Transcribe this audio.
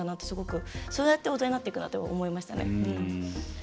すごく、そうやって大人になっていくなと思いました。